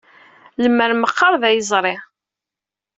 Lemmer meqqar d ay yeẓri!